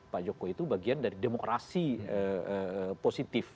pak jokowi itu bagian dari demokrasi positif